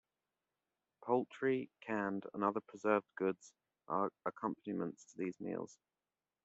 Poultry, canned and other preserved goods are accompaniments to these meals.